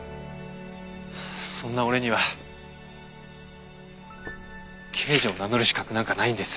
そんな俺には刑事を名乗る資格なんかないんです。